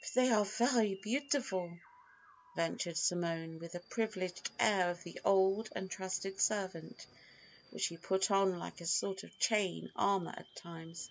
"But they are very beautiful," ventured Simone with the privileged air of the old and trusted servant which she put on like a sort of chain armour at times.